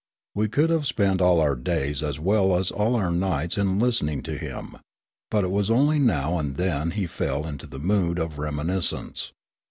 We could have spent all our days as well as all our nights in listening to him. But it was only now and then he fell into the mood of remin iscence.